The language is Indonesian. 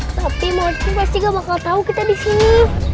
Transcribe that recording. tapi morsi pasti gak bakal tau kita disini